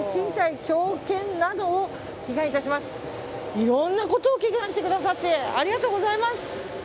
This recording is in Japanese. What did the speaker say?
いろんなことを祈願してくださってありがとうございます。